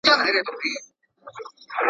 د دې رنګونو له بازار سره مي نه لګیږي.